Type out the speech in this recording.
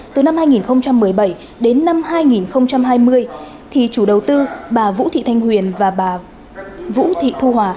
từ năm hai nghìn một mươi bảy đến năm hai nghìn hai mươi thì chủ đầu tư bà vũ thị thanh huyền và bà vũ thị thu hòa